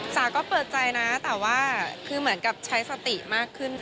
สาก็เปิดใจนะแต่ว่าคือเหมือนกับใช้สติมากขึ้น